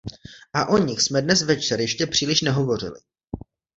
A o nich jsme dnes večer ještě příliš nehovořili.